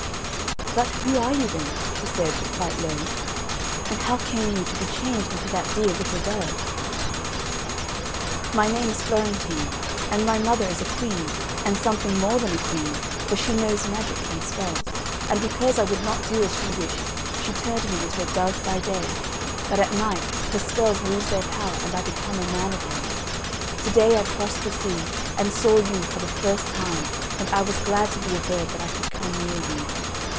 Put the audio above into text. "But who are you then?" she said quite low; "and how came you to be changed into that dear little bird?" "My name is Florentine, and my mother is a queen, and something more than a queen, for she knows magic and spells, and because I would not do as she wished she turned me into a dove by day, but at night her spells lose their power and I become a man again. To day I crossed the sea and saw you for the first time and I was glad to be a bird that I could come near you.